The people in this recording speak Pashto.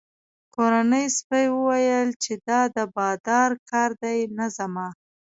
کورني سپي وویل چې دا د بادار کار دی نه زما.